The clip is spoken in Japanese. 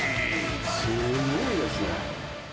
すごいですね。